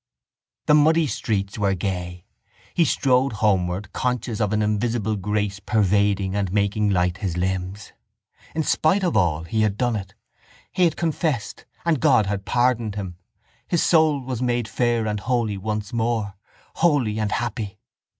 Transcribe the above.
The muddy streets were gay. He strode homeward, conscious of an invisible grace pervading and making light his limbs. In spite of all he had done it. He had confessed and God had pardoned him. His soul was made fair and holy once more, holy and happy.